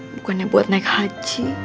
bukannya buat naik haji